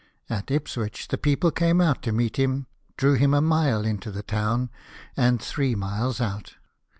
At Ipswich the people came out to meet him, drew him a mile into the town, and three miles out.